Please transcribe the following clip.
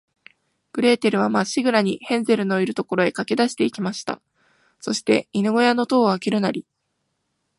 グレーテルは、まっしぐらに、ヘンゼルのいる所へかけだして行きました。そして、犬ごやの戸をあけるなり、